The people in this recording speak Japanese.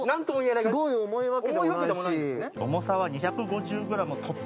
すごい重いわけでもないし。